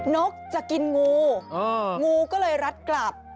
นกจะกินงูงูก็เลยรัดกลับ